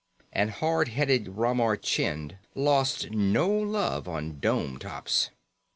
And hard headed Ramar Chind lost no love on dome tops.